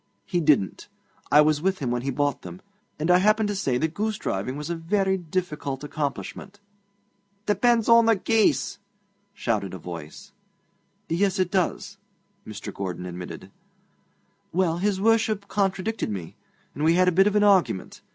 He didn't. I was with him when he bought them, and I happened to say that goosedriving was a very difficult accomplishment.' 'Depends on the geese!' shouted a voice. 'Yes, it does,' Mr. Gordon admitted. 'Well, his Worship contradicted me, and we had a bit of an argument.